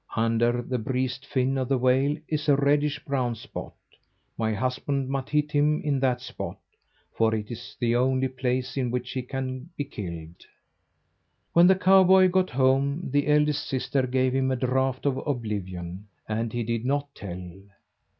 Under the breast fin of the whale is a reddish brown spot. My husband must hit him in that spot, for it is the only place in which he can be killed." When the cowboy got home, the eldest sister gave him a draught of oblivion, and he did not tell.